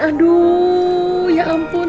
aduh ya ampun